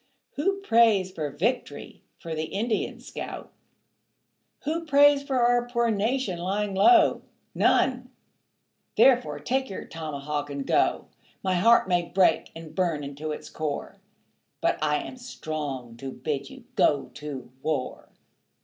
Who prays for vict'ry for the Indian scout? Who prays for our poor nation lying low? None therefore take your tomahawk and go. My heart may break and burn into its core, But I am strong to bid you go to war.